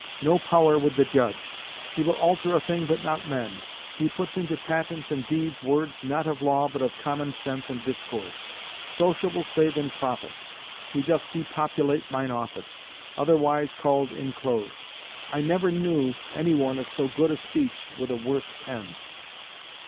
No power with the judge.... He will alter a thing but not mend.... He puts into patents and deeds words not of law but of common sense and discourse.... Sociable save in profit.... He doth depopulate mine office; otherwise called inclose.... I never knew any one of so good a speech with a worse pen."